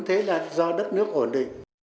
thế là do đất nước ổn định